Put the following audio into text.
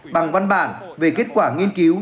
bằng văn bản về kết quả nghiên cứu